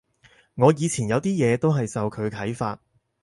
我以前有啲嘢都係受佢啓發